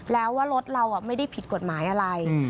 แล้วว่ารถเราไม่ได้ผิดกฎหมายอะไร